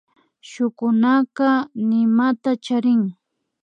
Shukunaka nimata charin